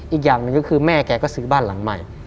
อีกอย่างหนึ่งก็คือแม่แกก็ซื้อบ้านหลังใหม่